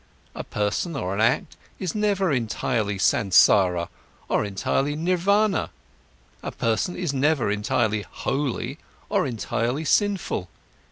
A person or an act is never entirely Sansara or entirely Nirvana, a person is never entirely holy or entirely sinful.